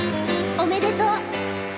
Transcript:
おめでとう。